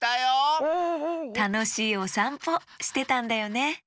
たのしいおさんぽしてたんだよね！